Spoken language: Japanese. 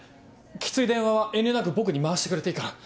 きつい電話は遠慮なく僕に回してくれていいから。